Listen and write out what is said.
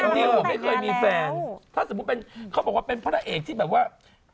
นิวไม่เคยมีแฟนถ้าสมมุติเป็นเขาบอกว่าเป็นพระเอกที่แบบว่า